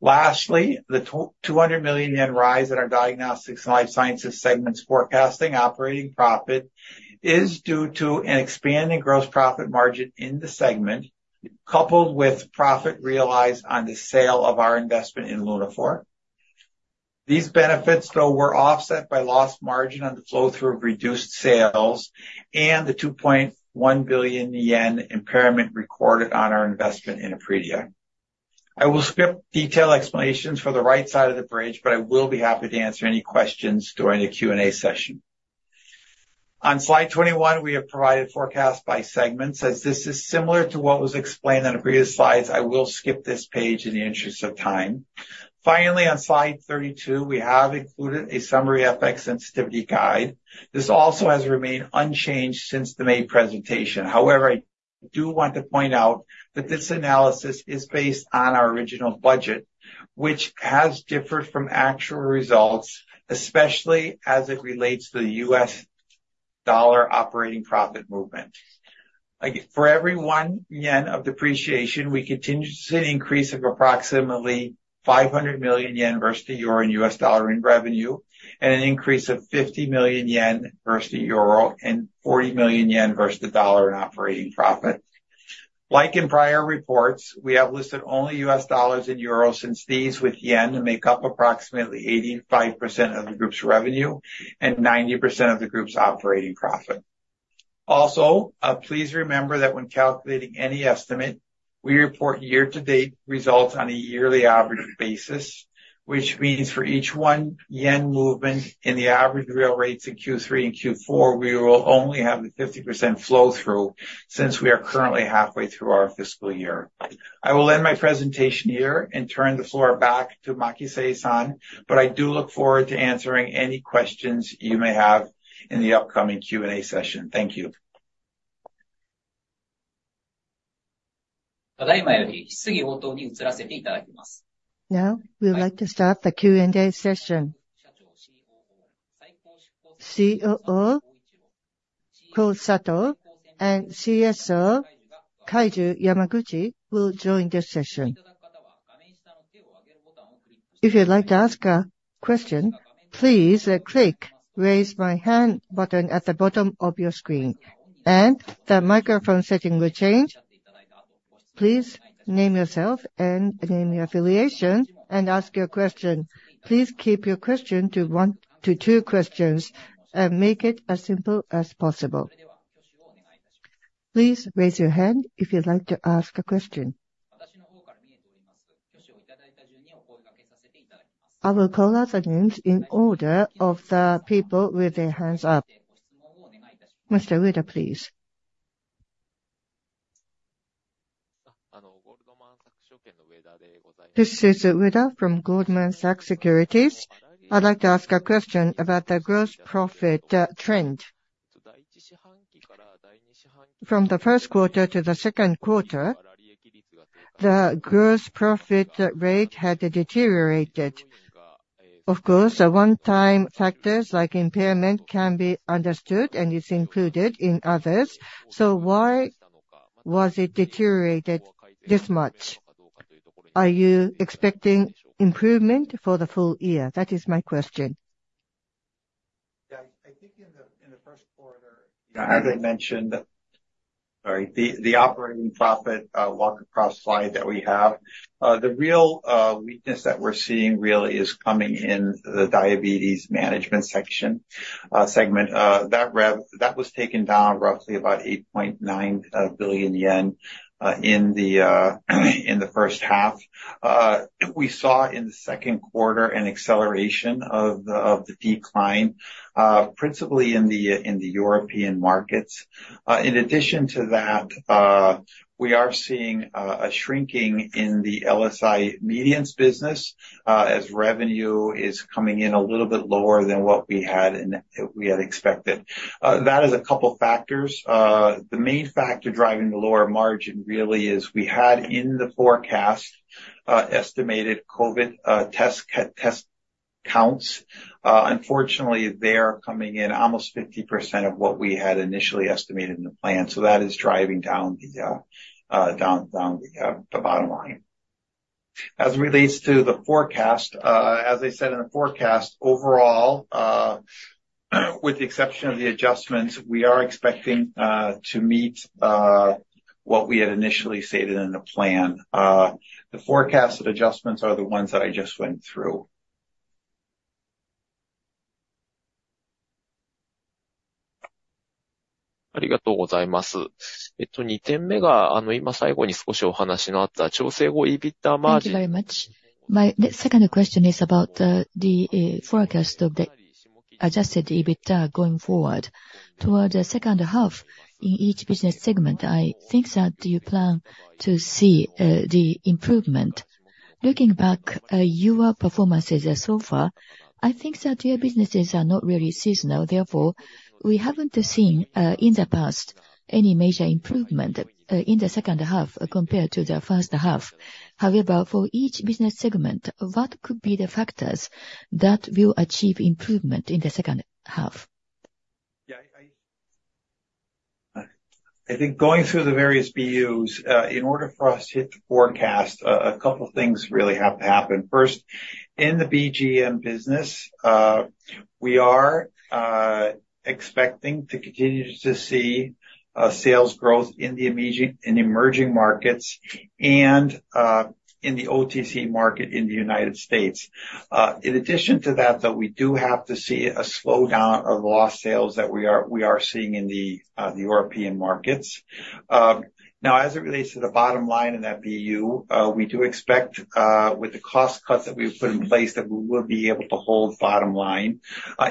Speaker 3: Lastly, the 200 million yen rise in our Diagnostics and Life Sciences segment's forecasted operating profit is due to an expanding gross profit margin in the segment, coupled with profit realized on the sale of our investment in Lunaphore. These benefits, though, were offset by lost margin on the flow-through of reduced sales and the 2.1 billion yen impairment recorded on our investment in Epredia. I will skip detailed explanations for the right side of the bridge, but I will be happy to answer any questions during the Q&A session. On slide 21, we have provided forecast by segments. As this is similar to what was explained on the previous slides, I will skip this page in the interest of time. Finally, on slide 32, we have included a Summary FX Sensitivity Guide. This also has remained unchanged since the May presentation. However, I do want to point out that this analysis is based on our original budget, which has differed from actual results, especially as it relates to the US dollar operating profit movement. Like, for every 1 yen of depreciation, we continue to see an increase of approximately 500 million yen versus the euro and US dollar in revenue, and an increase of 50 million yen versus the euro and 40 million yen versus the dollar in operating profit. Like in prior reports, we have listed only U.S. dollars and euros, since these with yen make up approximately 85% of the group's revenue and 90% of the group's operating profit. Also, please remember that when calculating any estimate, we report year-to-date results on a yearly average basis, which means for each 1 yen movement in the average real rates in Q3 and Q4, we will only have a 50% flow-through since we are currently halfway through our fiscal year. I will end my presentation here and turn the floor back to Makise-san, but I do look forward to answering any questions you may have in the upcoming Q&A session. Thank you.
Speaker 1: Now, we would like to start the Q&A session. COO Koichiro Sato and CSO Kaiju Yamaguchi will join this session. If you'd like to ask a question, please, click Raise My Hand button at the bottom of your screen, and the microphone setting will change. Please name yourself and name your affiliation and ask your question. Please keep your question to one to two questions and make it as simple as possible. Please raise your hand if you'd like to ask a question. I will call out the names in order of the people with their hands up. Mr. Ueda, please.
Speaker 4: This is, Ueda from Goldman Sachs Securities. I'd like to ask a question about the gross profit, trend. From the first quarter to the second quarter, the gross profit rate had deteriorated. Of course, the one-time factors like impairment can be understood and is included in others, so why was it deteriorated this much? Are you expecting improvement for the full-year? That is my question.
Speaker 3: Yeah, I think in the first quarter, as I mentioned. All right, the operating profit walk across the slide that we have, the real weakness that we're seeing really is coming in Diabetes Management segment. That rev that was taken down roughly about 8.9 billion yen in the first half. We saw in the second quarter an acceleration of the decline, principally in the European markets. In addition to that, we are seeing a shrinking in the LSI Medience Business, as revenue is coming in a little bit lower than what we had expected. That is a couple factors. The main factor driving the lower margin really is we had in the forecast estimated COVID test counts. Unfortunately, they are coming in almost 50% of what we had initially estimated in the plan, so that is driving down the bottom line. As it relates to the forecast, as I said in the forecast, overall, with the exception of the adjustments, we are expecting to meet what we had initially stated in the plan. The forecasted adjustments are the ones that I just went through.
Speaker 4: Thank you very much. My second question is about the forecast of the adjusted EBITDA going forward. Toward the second half in each business segment, I think that you plan to see the improvement. Looking back, your performances so far, I think that your businesses are not really seasonal. Therefore, we haven't seen in the past any major improvement in the second half compared to the first half. However, for each business segment, what could be the factors that will achieve improvement in the second half?
Speaker 3: I think going through the various BUs, in order for us to hit the forecast, a couple things really have to happen. First, in the BGM Business, we are expecting to continue to see sales growth in the emerging markets and in the OTC market in the United States. In addition to that, though, we do have to see a slowdown of lost sales that we are seeing in the European markets. Now, as it relates to the bottom line in that BU, we do expect, with the cost cuts that we've put in place, that we will be able to hold bottom line.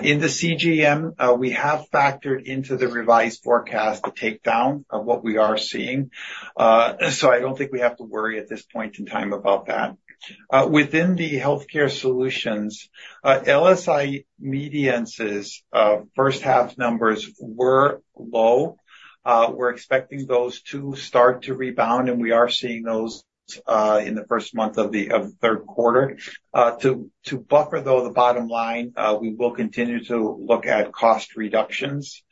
Speaker 3: In the CGM, we have factored into the revised forecast, the takedown of what we are seeing. So I don't think we have to worry at this point in time about that. Within the Healthcare Solutions, LSI Medience's first half numbers were low. We're expecting those to start to rebound, and we are seeing those in the first month of the third quarter. To buffer, though, the bottom line, we will continue to look at cost reductions.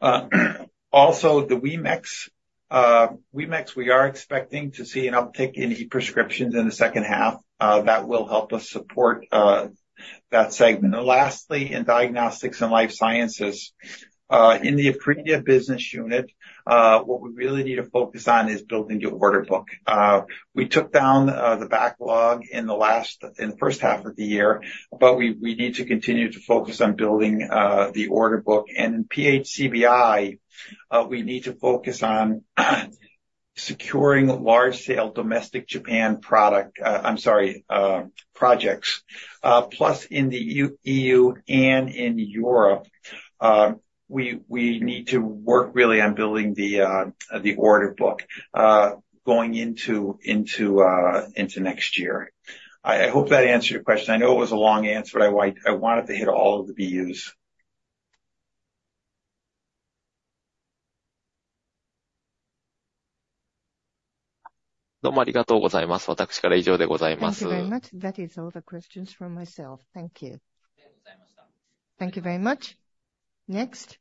Speaker 3: Also, Wemex, we are expecting to see an uptick in e-prescriptions in the second half, that will help us support that segment. And lastly, in Diagnostics and Life Sciences, in the Apria Business Unit, what we really need to focus on is building the order book. We took down the backlog in the first half of the year, but we need to continue to focus on building the order book. And PHCbi, we need to focus on securing large-scale domestic Japan product projects. Plus, in the EU and in Europe, we need to work really on building the order book going into next year. I hope that answered your question. I know it was a long answer, but I wanted to hit all of the BUs.
Speaker 4: Thank you very much. That is all the questions from myself. Thank you.
Speaker 1: Thank you very much. Next?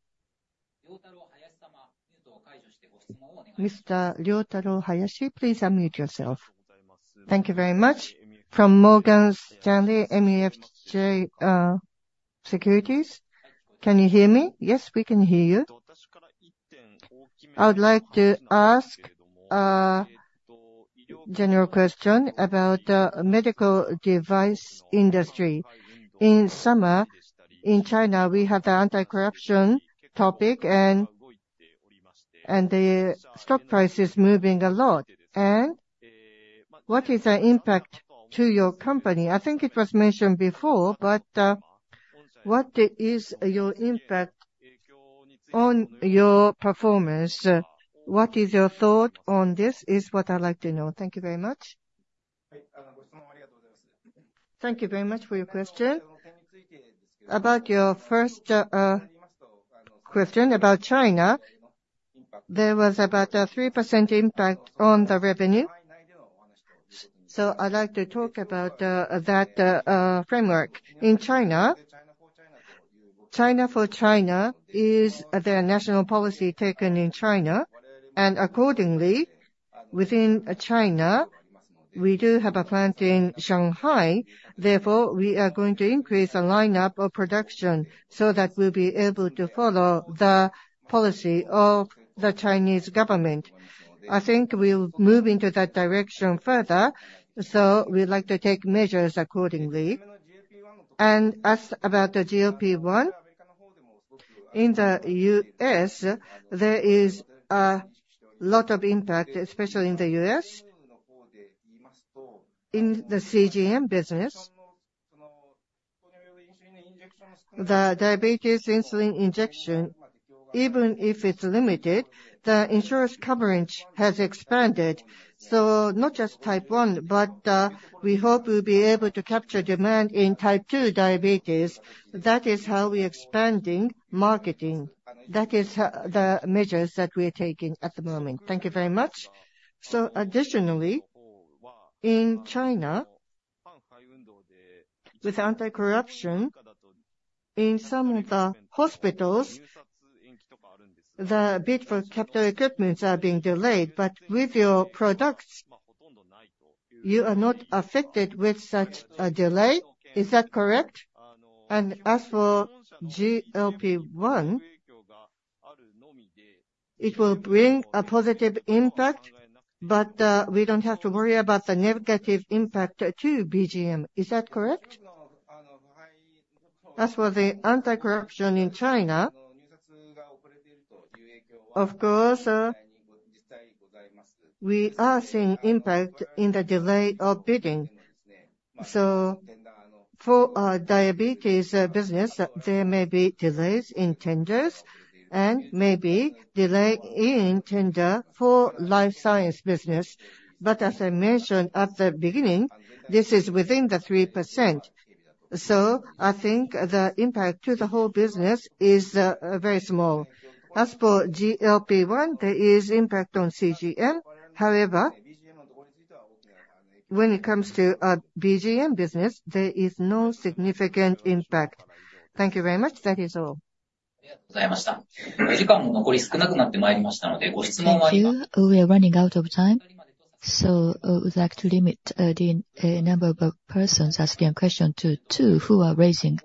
Speaker 1: Mr. Ryotaro Hayashi, please unmute yourself. Thank you very much. From Morgan Stanley MUFG Securities.
Speaker 5: Can you hear me?
Speaker 2: Yes, we can hear you.
Speaker 5: I would like to ask, general question about, medical device industry. In summer, in China, we had the anti-corruption topic, and the stock price is moving a lot. And what is the impact to your company? I think it was mentioned before, but what is your impact on your performance? What is your thought on this, is what I'd like to know. Thank you very much.
Speaker 2: Thank you very much for your question. About your first, question about China, there was about a 3% impact on the revenue. So I'd like to talk about, that, framework. In China, "China for China" is the national policy taken in China, and accordingly, within China, we do have a plant in Shanghai. Therefore, we are going to increase the lineup of production so that we'll be able to follow the policy of the Chinese government. I think we'll move into that direction further, so we'd like to take measures accordingly. And as about the GLP-1, in the U.S., there is a lot of impact, especially in the U.S. In the CGM business, the diabetes insulin injection, even if it's limited, the insurance coverage has expanded. So not just Type 1, but we hope we'll be able to capture demand in Type 2 diabetes. That is how we expanding marketing. That is the measures that we are taking at the moment. Thank you very much.
Speaker 5: Additionally, in China, with anti-corruption, in some of the hospitals, the bid for capital equipment is being delayed, but with your products, you are not affected with such a delay. Is that correct? As for GLP-1, it will bring a positive impact, but we don't have to worry about the negative impact to BGM. Is that correct?
Speaker 2: As for the anti-corruption in China, of course, we are seeing impact in the delay of bidding. So for our diabetes business, there may be delays in tenders and maybe delay in tender for life science business. But as I mentioned at the beginning, this is within the 3%, so I think the impact to the whole business is very small. As for GLP-1, there is impact on CGM. However. When it comes to BGM business, there is no significant impact. Thank you very much. That is all.
Speaker 1: Thank you. We are running out of time, so, we'd like to limit, the, number of persons asking a question to two who are raising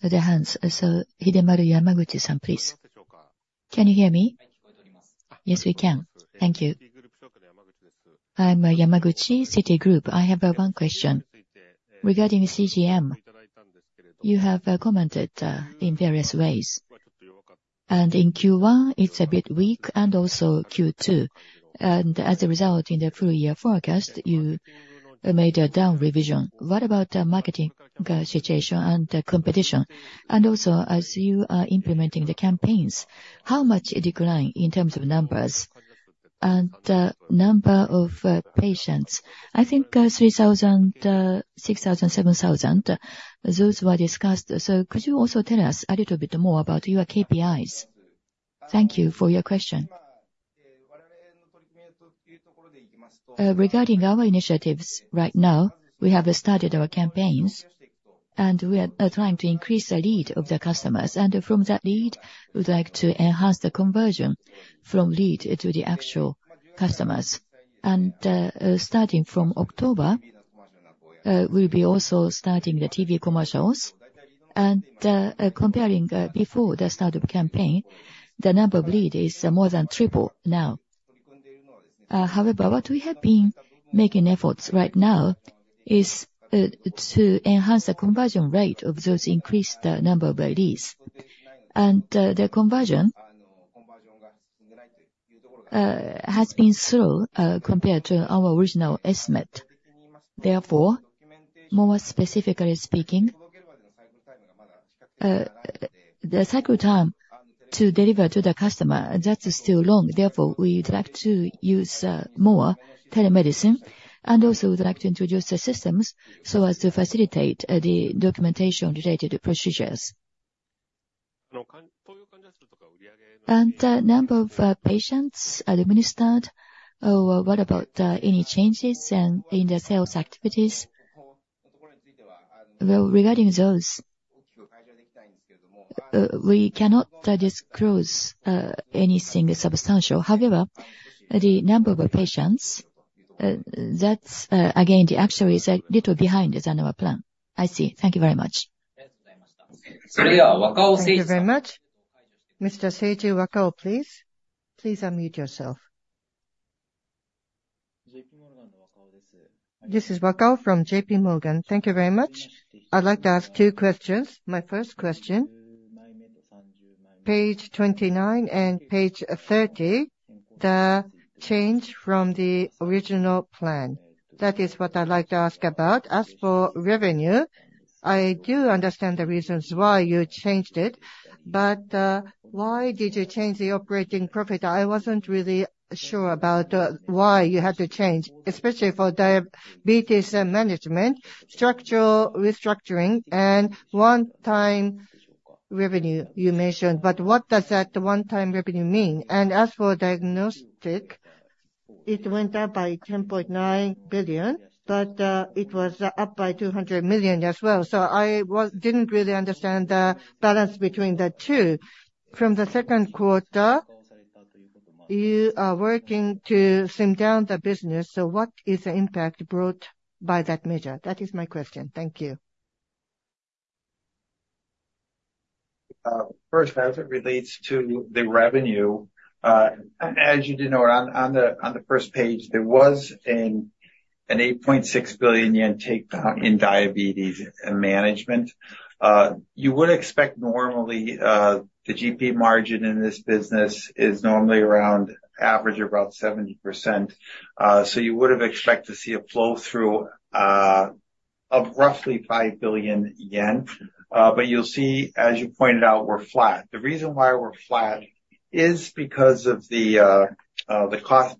Speaker 1: their hands. So Hidemaru Yamaguchi-san, please.
Speaker 6: Can you hear me?
Speaker 1: Yes, we can.
Speaker 6: Thank you. I'm Hidemaru Yamaguchi, Citigroup. I have one question. Regarding the CGM, you have commented in various ways, and in Q1, it's a bit weak and also Q2. And as a result, in the full-year forecast, you made a down revision. What about the marketing situation and the competition? And also, as you are implementing the campaigns, how much a decline in terms of numbers and number of patients? I think 3,000, 6,000, 7,000, those were discussed. So could you also tell us a little bit more about your KPIs?
Speaker 2: Thank you for your question. Regarding our initiatives, right now, we have started our campaigns, and we are trying to increase the lead of the customers. And from that lead, we'd like to enhance the conversion from lead to the actual customers. Starting from October, we'll be also starting the TV commercials. Comparing before the start of campaign, the number of lead is more than triple now. However, what we have been making efforts right now is to enhance the conversion rate of those increased number of leads. The conversion has been slow compared to our original estimate. Therefore, more specifically speaking, the cycle time to deliver to the customer, that is still long. Therefore, we'd like to use more telemedicine, and also we'd like to introduce the systems so as to facilitate the documentation-related procedures.
Speaker 6: The number of patients administered, what about any changes in the sales activities?
Speaker 2: Well, regarding those, we cannot disclose anything substantial. However, the number of patients, that's, again, the actually is a little behind us on our plan.
Speaker 6: I see. Thank you very much.
Speaker 1: Thank you very much. Mr. Seiji Wakao, please. Please unmute yourself.
Speaker 7: This is Seiji Wakao from JPMorgan. Thank you very much. I'd like to ask 2 questions. My first question, page 29 and page 30, the change from the original plan. That is what I'd like to ask about. As for revenue, I do understand the reasons why you changed it, but why did you change the operating profit? I wasn't really sure about why you had to change, especially for Diabetes and Management, structural restructuring and one-time revenue you mentioned. But what does that one-time revenue mean? And as for Diagnostic, it went up by 10.9 billion, but it was up by 200 million as well. So I didn't really understand the balance between the two. From the second quarter, you are working to slim down the business, so what is the impact brought by that measure? That is my question. Thank you.
Speaker 3: First, as it relates to the revenue, as you do know, on the first page, there was an 8.6 billion yen take Diabetes Management. you would expect normally, the GP margin in this business is normally around average of about 70%. So you would have expected to see a flow through of roughly 5 billion yen. But you'll see, as you pointed out, we're flat. The reason why we're flat is because of the cost,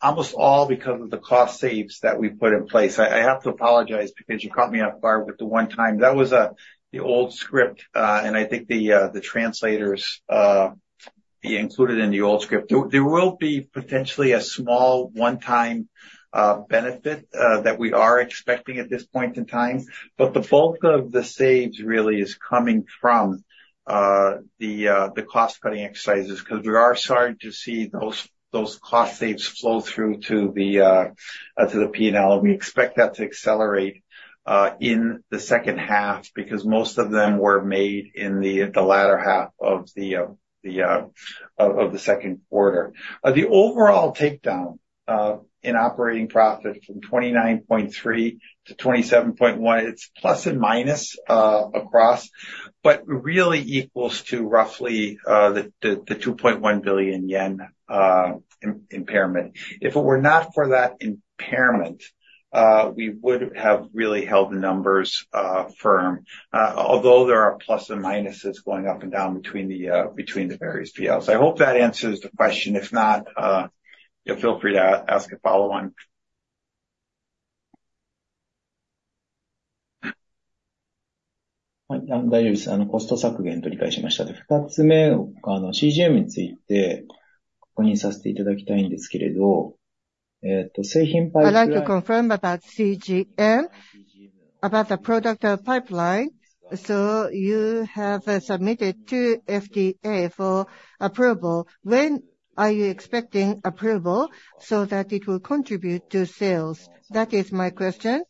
Speaker 3: almost all because of the cost saves that we put in place. I have to apologize because you caught me off guard with the one time. That was the old script, and I think the translators included in the old script. There will be potentially a small one-time benefit that we are expecting at this point in time. But the bulk of the saves really is coming from the cost-cutting exercises, 'cause we are starting to see those cost saves flow through to the P&L. We expect that to accelerate in the second half, because most of them were made in the latter half of the second quarter. The overall takedown in operating profit from 29.3 billion to 27.1 billion, it's plus and minus across, but really equals to roughly the 2.1 billion yen impairment. If it were not for that impairment, we would have really held the numbers firm. Although there are plus and minuses going up and down between the various P&Ls. I hope that answers the question. If not, feel free to ask a follow-on.
Speaker 7: はい、大丈夫です。あの、コスト削減と理解しました。二つ目、あの、CGMについて確認させて頂きたいんですけど、えっと、製品. I'd like to confirm about CGM, about the product, pipeline. So you have submitted to FDA for approval. When are you expecting approval so that it will contribute to sales? That is my question.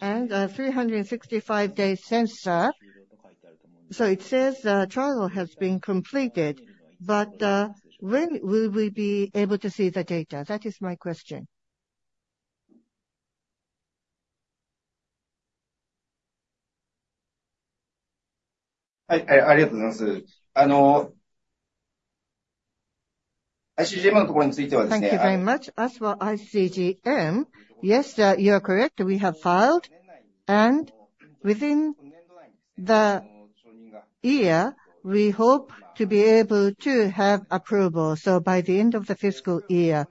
Speaker 7: And, 365-day sensor. So it says the trial has been completed, but, when will we be able to see the data? That is my question.
Speaker 2: はい、はい、ありがとうございます。あの、iCGMのところについてですね. Thank you very much. As for iCGM, yes, you are correct, we have filed, and within the year, we hope to be able to have approval, so by the end of the fiscal year.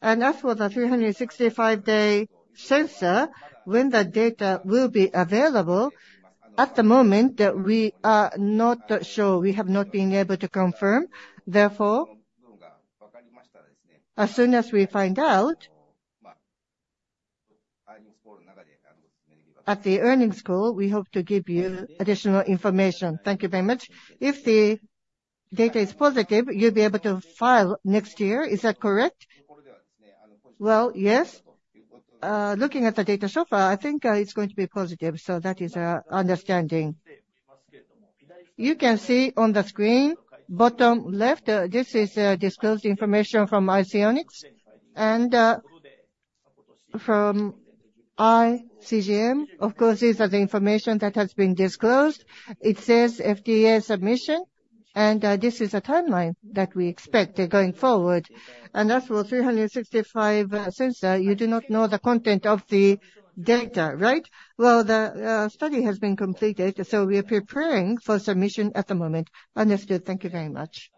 Speaker 2: And as for the 365-day sensor, when the data will be available, at the moment, we are not sure. We have not been able to confirm. Therefore, as soon as we find out, at the earnings call, we hope to give you additional information.
Speaker 7: Thank you very much. If the data is positive, you'll be able to file next year. Is that correct?
Speaker 2: Well, yes. Looking at the data so far, I think, it's going to be positive, so that is our understanding. You can see on the screen, bottom left, this is disclosed information from Senseonics and from iCGM. Of course, these are the information that has been disclosed. It says FDA submission, and this is a timeline that we expect going forward.
Speaker 5: And as for 365 sensor, you do not know the content of the data, right?
Speaker 2: Well, the study has been completed, so we are preparing for submission at the moment.
Speaker 5: Understood. Thank you very much.